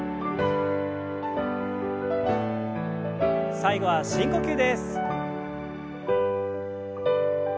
最後は深呼吸です。